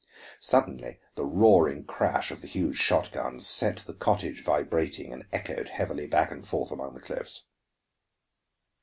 Suddenly the roaring crash of the huge shotgun set the cottage vibrating, and echoed heavily back and forth among the cliffs.